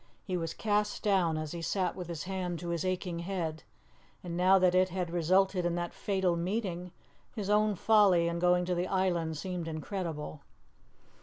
He was cast down as he sat with his hand to his aching head, and now that it had resulted in that fatal meeting, his own folly in going to the island seemed incredible.